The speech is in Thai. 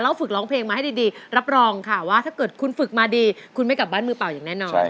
ฝึกร้องเพลงมาให้ดีรับรองค่ะว่าถ้าเกิดคุณฝึกมาดีคุณไม่กลับบ้านมือเปล่าอย่างแน่นอน